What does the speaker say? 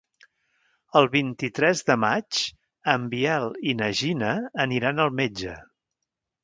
El vint-i-tres de maig en Biel i na Gina aniran al metge.